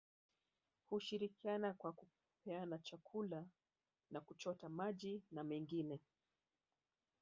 Hushirikiana kwa kupeana chakula na kuchota maji na mengine